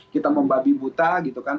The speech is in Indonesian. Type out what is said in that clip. kita membabi buta gitu kan